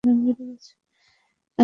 আপনি না বুঝেই আমাকে থাপ্পড় মেরেছিলেন।